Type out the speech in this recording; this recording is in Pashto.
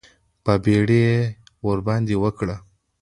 بابېړي یې ورباندې وکړ.